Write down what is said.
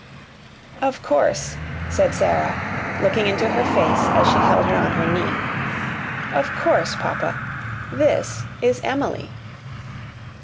"Of course," said Sara, looking into her face as she held her on her knee, "of course papa, this is Emily."